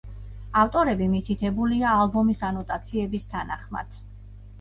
ავტორები მითითებულია ალბომის ანოტაციების თანახმად.